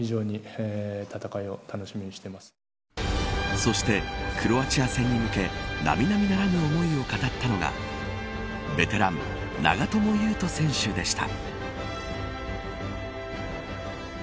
そして、クロアチア戦に向け並々ならぬ思いを語ったのがベテラン、長友佑都選手でした。